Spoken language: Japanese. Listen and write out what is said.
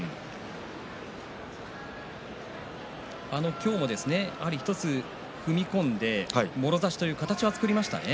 今日も踏み込んでもろ差しという形は作りましたね。